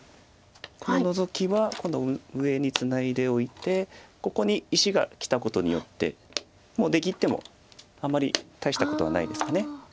このノゾキは今度上にツナいでおいてここに石がきたことによってもう出切ってもあんまり大したことはないですかね。